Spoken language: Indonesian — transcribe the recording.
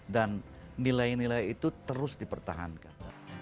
dan nilai nilai itu terus dipertahankan